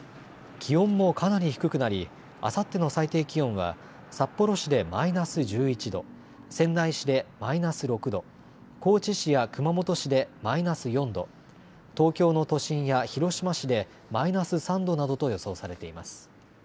気温もかなり低くなりあさっての最低気温は札幌市でマイナス１１度、仙台市でマイナス６度、高知市や熊本市でマイナス４度、東京の都心や広島市でマイナス３度などと予想されています。